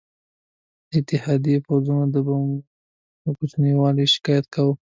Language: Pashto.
ده د اتحادي پوځونو د بمونو پر کوچني والي شکایت کاوه.